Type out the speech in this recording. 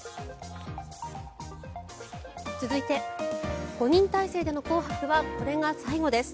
続いて、５人体制での「紅白」はこれが最後です。